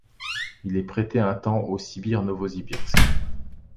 Il est prêté un temps au Sibir Novossibirsk.